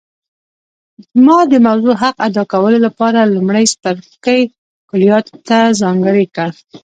ما د موضوع حق ادا کولو لپاره لومړی څپرکی کلیاتو ته ځانګړی کړ